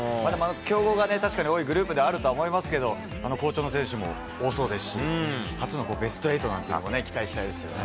強豪が確かに多いグループではあると思いますけど、好調の選手も多そうですし、初のベスト８なんてのも、期待したいですよね。